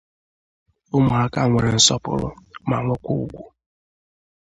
ụmụaka nwere nsọpụrụ ma nwekwa egwu